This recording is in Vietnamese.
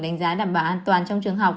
đánh giá đảm bảo an toàn trong trường học